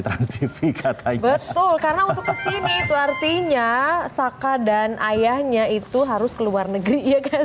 transtv katanya betul karena untuk ke sini itu artinya saka dan ayahnya itu harus ke luar negeri